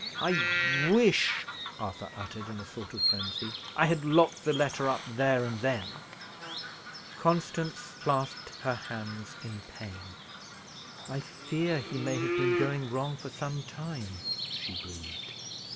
"I wish" Arthur uttered, in a sort of frenzy, "I had locked the letter up there and then." Constance clasped her hands in pain. "I fear he may have been going wrong for some time," she breathed.